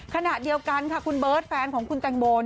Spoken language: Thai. ขณะเดียวกันค่ะคุณเบิร์ตแฟนของคุณแตงโม